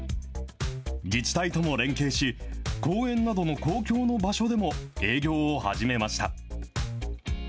自治体とも連携し、公園などの公共の場所でも営業を始めました。